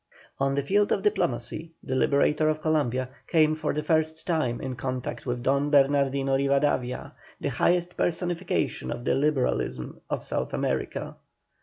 On the field of diplomacy the Liberator of Columbia came for the first time in contact with Don Bernardino Rivadavia, the highest personification of the Liberalism of South America.